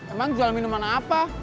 emang jual minuman apa